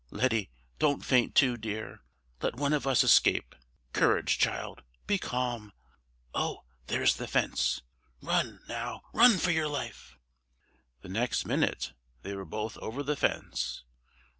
Letty, don't faint too, dear. Let one of us escape. Courage, child! Be calm! Oh! there is the fence. Run, now, run for your life!" The next minute they were both over the fence.